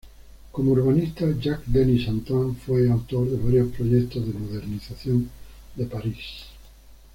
Como urbanista, Jacques Denis Antoine fue autor de varios proyectos de modernización de París.